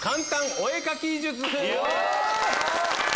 お絵描き！